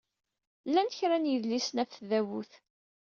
Llan kra n yidlisen ɣef tdabut.